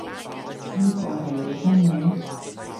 呢個係你真名？